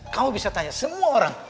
kamu bisa tanya semua orang